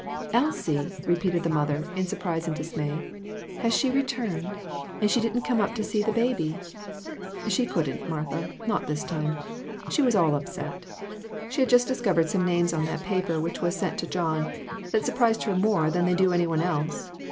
" Elsie !" repeated the mother in surprise and dismay; "has she returned? And she didn't come up to see the baby !"" She couldn't, Martha, not this time ; she was all upset. She has just discovered some names on that paper which was sent to John that sur prise her more than they do any one else.